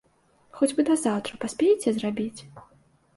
Хоць бы да заўтра паспееце зрабіць?